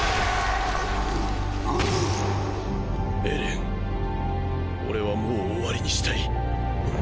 エレン俺はもう終わりにしたい。